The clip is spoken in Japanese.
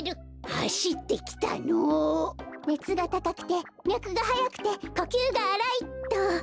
「ねつがたかくてみゃくがはやくてこきゅうがあらい」っと。